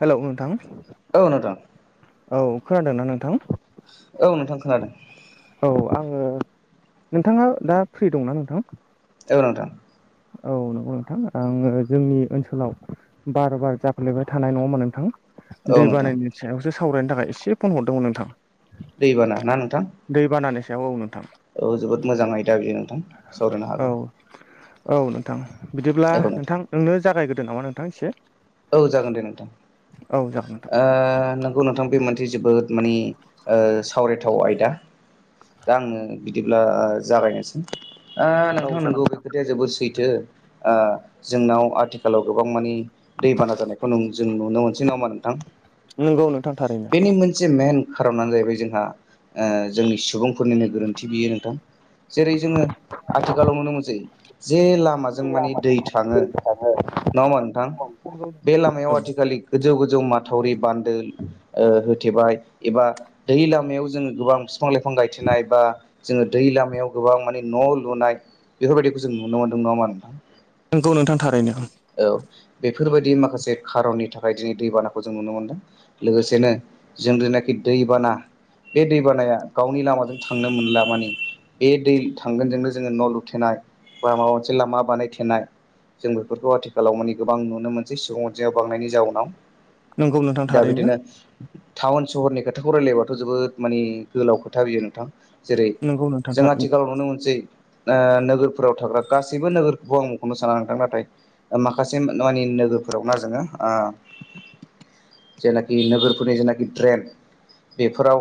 Hello नोंथां औ नोथा। औ खोनादोंना नोंथां? औ नोंथां खोनादों। औ आङो नोंथाङा दा फ्रि दंना नोंथां? [unintelligible] औ नोंगौ नोंथां आङो जोंनि ओनसोलाव बार बार जाफ्लेबाय थानाय नङामा नोंथां। दै औ नोंथां बानायनि सायावसो सावरायनो थाखाय एसे फन हरदोंमोन नोंथां। दैबाना ना नोंथां? जायाव नोथा। औ जोबोद मोजां आयदा बियो नोंथां सावरायनो औ हागोन। औ नोंथां बिदिब्ला नोंथां नोंनो जागायग्रोदो नामा नोंथां एसे। औ जागोन दे नोंथां। औ जागोन नोंथां ओ नोंगौ नोंथां बे मोनसे जोबोद मानि ओ सावरायथाव आयदा। दा आङो बिदिब्ला जागायनोसै। आ औ नोंथां जागोन नोंगौ बे खोथाया जोबोद सैथो ओ जोंनाव आथिखालाव गोबां मानि दैबाना जानायखौ जों नुनो मोनसै, नामा नोंथां? नंगौ नोंथां थारैनो बेनि मोनसे मेन खारनानो जाहैबाय जोंहा जोंनि सुबुंफोरनिनो गोरोन्थि बियो नोंथां। जेरै जोङो आथिखालाव नुनो मोनसै जे लामाजों माने दै थाङो नङा होमा नोंथां? औ बे लामायाव आथिखालि गोजौ गोज जौ माथावरि बान्दो ओ होथेबाय एबा दै लामायाव जों गोबां बिफां-लाइफां गायथिनाय बा जोङो दै लामायाव गोबां माने न' लुनाय बेफोरबायदिखौ जों नुनो मोन्दों नामा नोंथां। नोंगौ नोंथां थारैनो। फोरबायदि माखासे खारननि थाखाय दिनै दैबानाखौ जों नुनो मोनदों। लोगोसेनो जों जनाखि दै दैबाना बे दैबानाया गावनि लामाजों थांनो मोनला माने। बे दै थांगोनजोंनो जोङो न' लुथेनाय बा माबा मोनसे लामा बानायथेनाय जों बेफोरखौ आथिखालाव माने गोबां नुनो मोनसै सुबुं अनजिमा बांनायनि जाउनाव। नंगौ नोंथां दा थारैनो बिदिनो टाउन सहरनि खोथाखौ रायलायबा थ' जोबोद माने गोलाव खोथा बियो नोंथां। जेरै नंगौ नोंथां जों थारैनो आथिखालाव नुनो मोनसै नोगोरफोराव थाग्रा गासैबो नोगोरखौबो आं मख'नो साना नाथाय माखासे मानि नोगोरफोराव ना जोङो ओ जेनाखि नोगोरफोरनि जेनाखि ड्रेन बेफोराव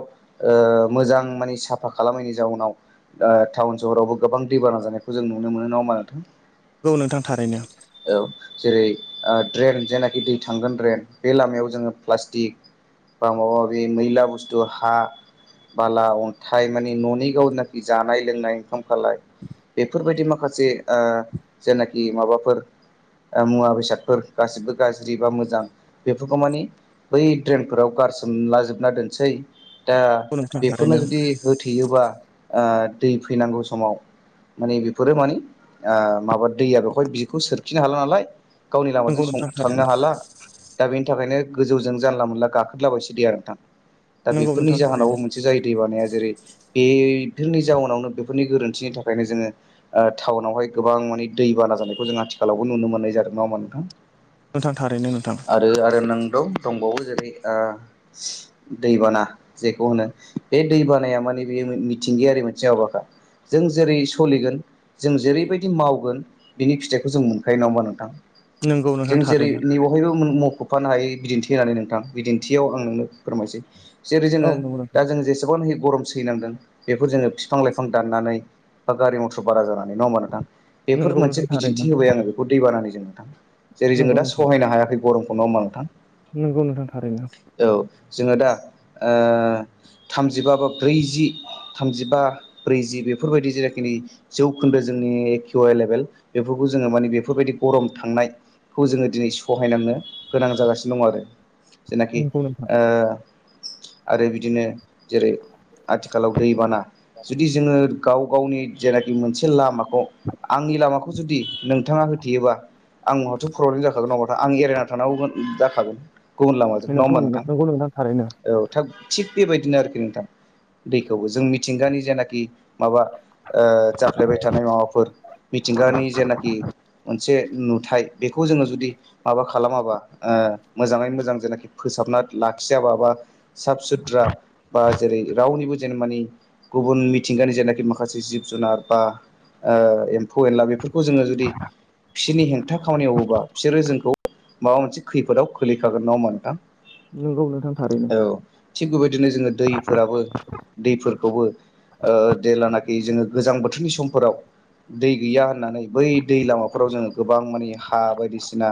मोजां मानि साफा खालामैनायनि जाउनाव [unintelligible] टाउन सहरावबो गोबां दैबाना जानायखौ जों नुनो मोनो नङा होनबा नोंथां। गौ नोंथां थारैनो। औ जेरै ओ ड्रेन जेनाखि दै थांगोन ड्रेन बे लामायाव जोङो प्लास्टिक बा माबा माबि मैला बुस्थु हा बाला अन्थाइ मानि न'नि गावनाखि जानाय लोंनाय ओंखाम खालाय बेफोरबायदि माखासे जेनाखि माबाफोर मुवा बेसादफोर गाससिबो गाज्रि बा मोजां बेफोरखौ माने बै ड्रेनफोराव गारसोमला जोबना दोनसै दा नंगौ नोंथां बेफोरनो थारैनो जुदि होथेयोबा ओ दै फैनांगौ समाव मानि बेफोरो मानि आ माबा दैया बेवहाय बिखौ सोरखिनो हाला नाल आय गावनि लामाजों नंगौ सं नोंथां थांनो थारैनो हाला दा बेनि थाखायनो गोजौजों जानला मोनला गाखोदला बायसो देैया नोंथां। दा नंगौ बेफोरनि नोंथां थारैनो जाहोनावबो मोनसे जायो दै बानाया जेरै बेथोरनि जाउनावनो बेफोरनि गोरोन्थिनि थाखायनो जोङो ओ टाउनावहाय गोबां माने दै बान ना जानायखौ जों आथिखालावबो नुनो मोननाय जादों नङा होनबा नोंथां। नोंथां थारैनो नोंथां आरो आरो नों दं दंबावो जेरै ओ दैबाना जेखौ होनो बे दैबानाया माने बेयो मिथिंगियारि मोनसे हाबाखा जों जेरै सलिगोन जों जेरैबायदि मावगोन बिनि फिथाइखौ जों मोनखायो नङा होनबा नोंथां नोंगौ नोंथां जों जेरै थारैनो नै बहायबो मख'फानो हायो बिदिन्थि होनानै नोंथां बिदिन्थियाव आं नोंनो फोरमायसै जेरै औ जोङो नंगौ नोंथां दा जोङो जेसेबां गरम सैनांदों बेफोर जोङो बिफां लाइफां दाननानै बा गारि मथर बारा जानानै नङा होनबा नोंथां बेफोर नोंगौ नोंथां मोनसे थारैनो बिदिन्थि होबाय आङो बेखौ दैबानानि जे नोंथां जेरै जोङो दा सहायनो हायाखै गरम नङा होमबा नोंथां नंगौ नोंथां थारैनो औ जोङो दा ओ थामजिबा बा ब्रैजि थामजिबा ब्रैजि बेफोरबायदि जेनाखि जौखोन्दो जोंनि एकिउएल लेभेल बेफोरखौ जोङो माने बेफोरबायदि गरम थांनायखौ जोङो दिनै सहायनांनो गोनां जागासिनो दं आरो जेनाखि नोंगौ नोंथां ओ आरो बिदिनो जेरै आथिखालाव दैबाना जुदि जोङो गाव गावनि जेनाखि मोनसे लामाखौ आंनि लामाखौ जुदि नोंथाङा हो थेयोबा आं म हाथ' प्रब्लेम जाखागोन नङा बाथा आं एरायना थानांगौ गो जाखागोन गुबुन लामाजों नङा नोंगौ होमबा नोंथां नोंगौ थारैनो औ थोग थिग बेबायदिनो आरोखि नोंथां दैखौबो जों मिथिंगानि जेनाखि माबा ओ जाफ्लेबाय थानाय माबाफोर मिथिंगानि जेनाखि मोनसे नुथाय बेखौ जोङो जुदि माबा खालामाबा ओ मोजाङै मोजां जेनाखि फोसाबना लाखियाबा बा साफ सुद्रा बा जेरै रावनि बो जेने मानि गुबुन मिथिंगानि जेनाखि माखासे जिब जुनार बा ओ एम्फौ एनला बेफोरखौ जोङो जुदि फिसिनि हेंथा खामानि मावोबा फिसोरो जोंखौ माबा मोनसे खैफोदाव खोलैखागोन नङा होनबा नोंथां नोंगौ नोंथां थारैनो औ थिग बेबायदिनो जोङो दैफोराबो दैफोरखौबो ओ देल्लानाखि जोङो गोजां बोथोरनि समफोराव दै गैया होननानै बै दै लामाफोराव जोङो गोबां माने हा बायदिसिना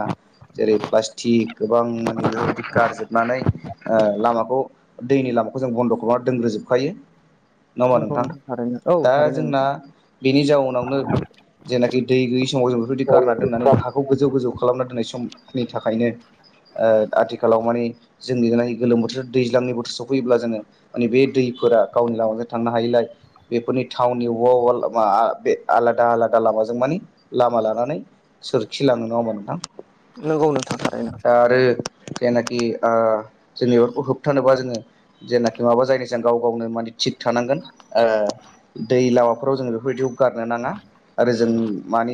जेरै प्लास्टिक गोबां माने बेफोरबायदि गारजोबनानै ओ लामाखौ दैनि लामाखौ जों बन्द' खालामनानै दोनग्रोजोबखायो नङा होनबा नोंगौ नोंथां थारैनो औ दा थारैनो जोंना बेनि जाउनावनो जेनाखि दै गैयि समाव जों बेफोरबायदि गारना दोननानै नोंथां हाखौ गोजौ गोजौ खालामना दोननाय समनि थाखायनो ओ आथिखालाव माने जों [unintelligible] नाय गोलोम बोथोर दैज्लांनि बोथोर सफैयोब्ला जोङो माने बे दै फोरा गावनि लामाजों थांनो हायिलाय बेफोरनि थाउनि अबा अबा ला मा आ बे आलादा आलादा ला माजों मानि लामा लानानै सोरखिलाङो नङा होनबा नोंथां नोंगौ नोथां थारैनो दा आरो जेनाखि ओ जोंनि बेफोरखौ होबथानोबा जोङो जेनाखि माबा जायनि जों गाव गावनो मानि थिग थानांगोन ओ दै लामाफोराव जोङो बेफोरबायदियाव गारनो नाङा आरो जों मानि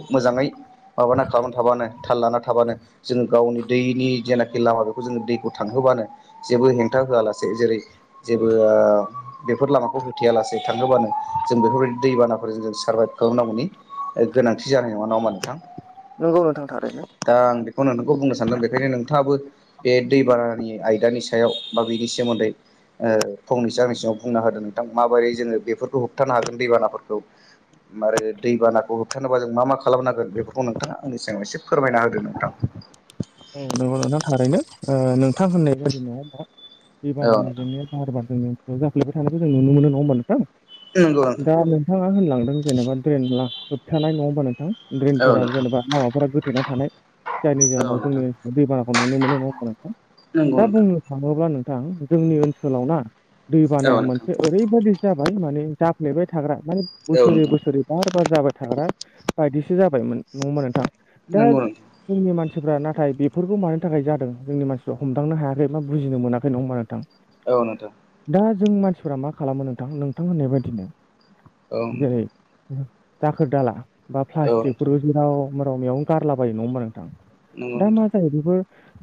मोजाङै माबाना खालामना थाबानो थाल लाना थाबानो जोङो गावनि दैनि जेनाखि लामा बेखौ जोङो दैखौ थांहोबानो जेबो हेंथा होआ लासे जेरै जेबो ओ बेफोर लामाखौ होथेया लासे थांहोबानो जों बेफोरबायदि दैबानाफोरजों जों सारभाइभ खालामनांगौनि गोनांथि जानाय नङा होनबा नोंथां। नोंगौ नोंथां थारैनो [unintelligible] बुंनो सानदों बेखायनो नोंथाङाबो बे दै बानानि आयदानि सायाव बा बेनि सोमोन्दै ओ फंनैसो आंनि सिगाङाव बुंना होदो नोंथां माबोरै जोङो बेफोरखौ होबथानो हागोन दैबानाफोरखौ मारै दैबानाखौ होबथानोबा जों मा मा खालामनांगोन बेफोरखौ नोंथाङा आंनि सिगाङाव एसे फोरमायना होदो नोंथां। ओ नोंथां होननाय बायदिनो दा दै औ बानानि जेंनाया बार बार [unintelligible] जा फ्लेबाय थानायखौ जों नुनो मोनो नङा होमबा नोंथां नंगौ नोंथां दा नोंथाङा होनलांदों जेनेबा ड्रेन ला होबथानाय नङा होनबा नोंथां औ ड्रेनफोरा नोंथां जेनेबा लामाफोरा गोथेना थानाय जायनि औ जाहोनाव नोंथां जोंनि ओ दैबानाखौ नुनो मोनो नङा होनबा नोंथां नंगौ दा नोंथां बुंनो थाङोब्ला नों जोंनि ओनसोलाव ना दै औ बानाया नोंथां मोनसे ओरैबायदि जाबाय माने जाफ्लेबाय थाग्रा माने औ बोसोरे नोंथां बोसोरे बार बार जाबाय थाग्रा बायदिसो जाबायमोन नंआ होनबा नोंथां दा नंगौ नोंथां औ नोंथां जोंनि मानसिफोरा ना नाथाय बेफोरखौ मानि थाखाय जादों जोंनि मानसिफ्रा हमदांनो हायाखै मा बुजिनो मोनाखै नङा होनबा नोंथां। औ नोंथां दा जों मानसिफ्रा मा खालामो नोंथां नोंथां होननाय बायदिनो जेरै नंगौ नोंथां दाखोर दाला बा प्लास्टिकफोरबो जेराव राव मेयावनो गारलाबायो नङा होमबा नोंथां। दा मा जायो बेफोर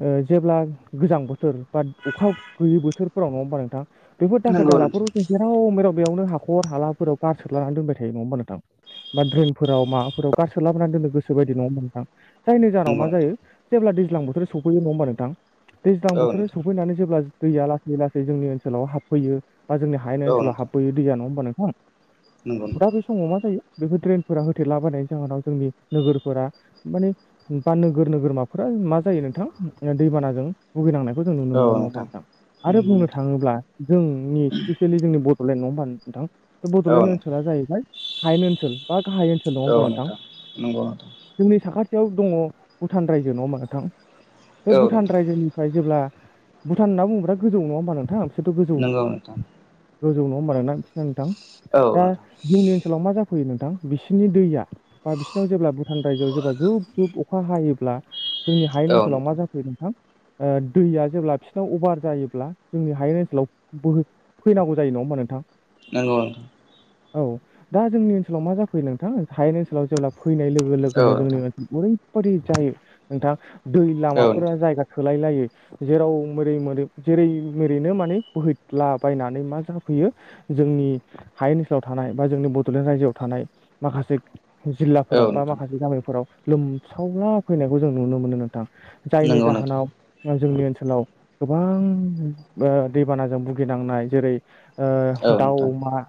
ओ जेब्ला गोजां बोथोर बा अखा गैयि बोथोरफोराव नङा होमबा नोंथां। बेफोर दाखोर नंगौ नोंथां नंगौ दालाफोराव नोंथां जों जेराव मेराव बेयावनो हाखर हालाफोराव गार सोरलानानै दोनबाय थायो नङा होमबा नोंथां। बा ड्रेइनफोराव माबाफोराव गारसो लाबोनानै दोननो गोसो बायदि नङा होनबा नोंथा। जायनि जाहोनाव मा जायो जेब्ला दैज्लां बोथोर सौफैयो नङा होमबा नोंथां। दैज्लां औ बोथोराव नोंथां सफैनानै जेब्ला दैया लासै लासै जोंनि ओनसोलाव हाबफैयो। बा जोंनि हायेन औ ओनसोलाव नोंथां हाबबोयो दैया नङा होमबा नोंथां नंगौ दा नोंथां बे समाव मा जायो। बेफोर ड्रेनफोरा होथेलाबायनायनि जाहोनाव जोंनि नोगोरफोरा माने बा नोगोर नोगोर गोरमाफोरा मा जायो नोंथां दैबानाजों भुगिनांनाय [unintelligible] बेखौ‌ जों नुनो मोनो नंआ होनबा नोंथां आरो नंगौ बुंनो नोंथां थाङोब्ला जोंनि स्फिसियेली जोंनि बड'लेण्ड नङा होनबा आ नोंथां औ बड'लेण्ड नोंथां ओनसोला जाहैबाय हायेन ओनसोल बा गाहाय ओनसोल नङा औ होमबा नोंथां नंगौ नोंथां जोंनि साखाथि याव दङ भुटान रायजो नङा होनबा नोंथां बे औ भुटान नोंथां रायजोनिफ्राय जेब्ला भुटान होनना बुंब्रा गोजौ नङा होनबा नोंथांं'। नगौ नोंथां। गोजौ नङा होनबा नोंथा बिसोरना‌ औ नोंथां दा नोंथां जोंनि ओनसोलाव मा जाखो फैयो नोंथां। बिसोरनि दैया बा बिसोरनाव जेब्ला भुटान रायजोआव जेब्ला जुब जुब अखा हायो अब्ला जोंनि हायेन औ ओनसोलाव मा नोंथां जाफैयो नोंथां दैया जेब्ला बिसोरनाव अभार जायोब्ला जोंनि हायेन ओनसोलाव बोहै फैनांगौ जायो नङा नङा होनबा नोंथां। नंगौ नोंथां। औ दा जोंनि ओनसोलाव मा जाफैयो नोंथां हायेन ओनसोलाव जेब्ला फैनाय लोगो लोगोनो औ जोंनि नोंथां ओन ओरैबायदि जायो नोंथां दै औ लामाफोरा नोंथां जायगा थो लायलायै, जेराव मै जेरै मेरैनो माने बोहैलाबायनानै मा जाफैयो जोंनि हायेन ओनसोलाव थानाय बा जोंनि बड'लेण्ड रायजोआव थानाय माखासे जिल्लाफोराव औ बा नोंथां माखासे गामिफोराव लोमसावला फैनायखौ जों नुनो मोनो नोंथां। जायनि नंगौ नोंथां जाहोनाव जोंनि ओन सोलाव गोबां दैबानाजों भुगिनांनाय जेरै औ दाउ नोंथां अमा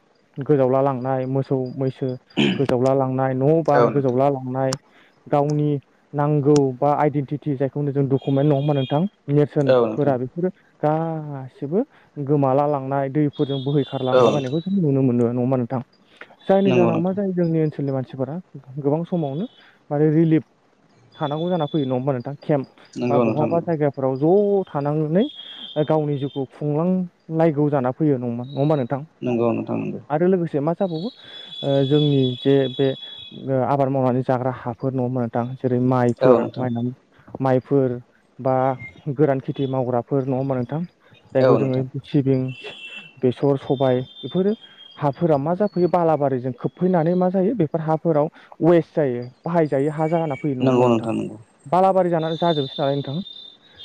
गोजावला लांनाय मोसौ मै सो गोजावला लांनाय, न' औ बां नोंथां गोजावला लांनाय गावनि नांगौ बा आइडेन्टिटि जायखौ होनो जों डकुमेन्ट नङा होमबा नोंथां। नेरसोन औ नोंथां फोरा बेफोरो गासिबो गोमाला लांनाय दैफोरजों बोहैखारलांला औ नोंथां बायनायखौ जों नुनो मोनो। नङा होमबा नोंथां, जायनि नंगौ जाहोनाव मा नोंथां जायो जोंनि ओनसोलनि मानसि मानसिफोरा गोबां समावनो माने रिलिफ थानांगौ जाना फैयो नङा होमबा नोंथां। केम्प बा नंगौ नोंथां बहा जायगाफोराव ज' थानांनानै गावनि जिउखौ खुंलांलायगौ जाना फैयो नङा होमबा नों नंगौ नोंथां नंगौ। जाबावो, जोंनि जे बे आबाद मावनानै जाग्रा हाफोर नङा होमबा नोंथां, दा जे औ माइफोर नोंथां माय फोर बा गोरान खेथि मावग्राफोर नङा होमबा नोंथां। जायखौ औ जोङो नोंथां सिबिं बेसर सबाय बेफोरो हाफोरा मा जाफैयो बालाबारिजों खोबफैनानै मा जायो बेफोर हाफोराव वेस्ट जायै बाहाय जायो हा जा फैयो नङा होम्बा नोंथां। बालाबारि जानानै जाजोबोसै नामा नोंथां?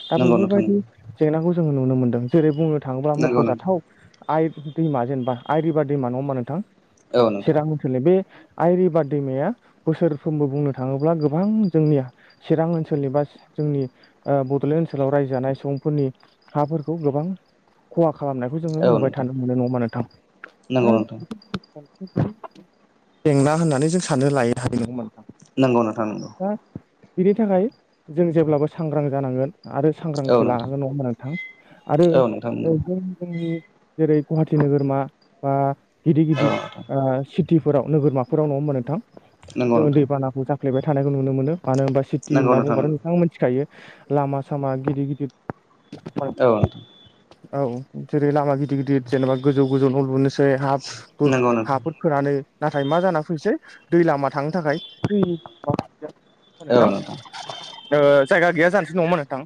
दा नंगौ बेफोरबायदि जेंनाखौ जोङो नुनो मोनदों जेरै बुंनो थाङोब्ला नंगौ मख'जाथाव आइ दैमा जेनेबा आइ रिभार दैमा नङा हबा नोंथां, नोंथां चिरां ओनसोलनि बे आइरिभार दैमाया बोसोरफ्रोमबो बुंनो थाङोब्ला गो बां जोंनि चिरां ओनसोलनि बा जोंनि बड'लेण्ड ओनसोलाव रायजो जानाय सुबुंफोरनि हाफोरखौ गोबां खहा खालामनायखौ जोङो नुबाय थानो मोनो नङा होम्बा नोंथां। नंगौ नोंथां औ नोंथां औ नोंथां नंगौ नोंथां जेंना होननानै जों साननो लायो हानाय नङा होम्बा नोंथां। नंगौ नोंथां नंगौ। दा बिनि थाखाय जों जेब्लाबो सांग्रां जानांगोन। आरो औ सांग्रांथि लानांगोन नङा ओमबा नोंथां, आरो नोंथां औ नोंथां जों जोंनि जेरै गुवाहाटि नोगोरमा बा गिदिर गिदिर ओ सिटिफोराव नोगोरमाफोराव नङा होमबा नोंथां, नंगौ औ नोंथां नंगौ जोङो नोंथां दैबानाखौ जाफ्लेबाय थानायखौ नुनो मोनो। मानो होनबा सिटि नंगौ होनना नोंथां बुंबाथ' नंगौ नोंथाङा मिथिखायो लामा सामा गिदिर गिदिर औ नोंथां। औ जेरै लामा गिदिर गिदिर जेनेबा गोजौ गोजौ न' लुनोसै हा नंगौ नोंथां हाफोर खोनानै नाथाय मा जाना फैसै दै लामा थांनो थाखाय दै [unintelligible] नोंथां। ओ जायगा गैया जानोसै नङा होम्बा नोंथां।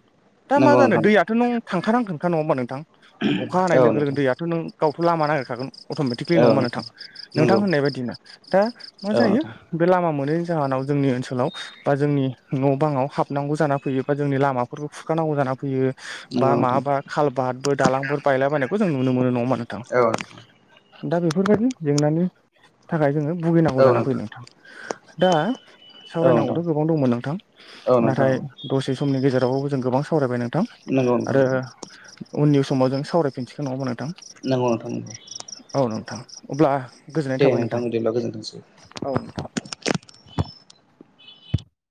दा मा नंगौ जानो नोंथां दैयाथ' नों थांखानांगोनखा नङा होमबा नोंथां। अखा हानाय औ लोगो लोगो नोंथां दैयाथ' नों गावाथ' लामा नागिरखागोन। अट'मेटिकलि नङा होम्बा नोंथां नोंथां नंगौ होननाय बायदिनो दा मा औ जायो नोंथां बे लामा मोनैनि जाहोनाव जोंनि ओनसोलाव बा जोंनि न' बाङाव हाबनांगौ जाना फैयो बा जोंनि लामाफोरखौ खुरखानांगौ जानानै फैयो नंगौ बा नोंथां माबा खालबातफोर दालांफोर बायला बायनायखौ जों नुनो मोनो नङा होम्बा औ। दा बेफोरबायदि जेंनानि थाखाय जोङो भुगिनांगौ जाना फैदों नोंथां दा औ नोंथां सावरायनांगौथ' गोबां दंमोन नोंथां औ नोंथां नाथाय औ दसे समनि गेजेराव जों गोबां सावरायबाय नों थां नंगौ नोंथां आरो उननि समाव जों सावरायफिनसिगोन नङा नंगौ नोंथां नंगौ औ नोंथां अब्ला गोजोननाय दे थाबाय नोंथां बिदिब्ला गोजोनथोंसै औ नोंथां